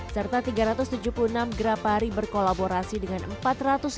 serta tiga ratus tujuh puluh enam grapari berkolaborasi dengan emas